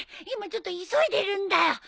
今ちょっと急いでるんだよ。